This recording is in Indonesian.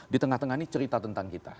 di tengah tengah ini cerita tentang kita